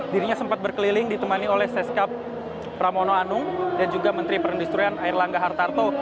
dirinya sempat berkeliling ditemani oleh seskap ramono anung dan juga menteri perindustrian airlangga hartarto